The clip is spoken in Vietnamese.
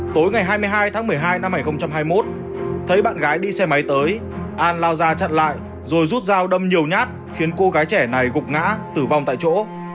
tối ngày hai mươi hai tháng một mươi hai năm hai nghìn hai mươi một thấy bạn gái đi xe máy tới an lao ra chặn lại rồi rút dao đâm nhiều nhát khiến cô gái trẻ này gục ngã tử vong tại chỗ